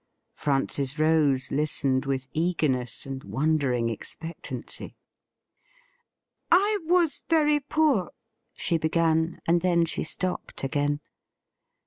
Francis Rose listened with eagerness and wondering expectancy. ' I was very poor,' she began, and then she stopped again.